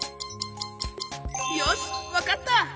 よしわかった！